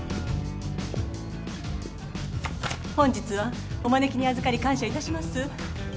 本日はお招きにあずかり感謝いたします。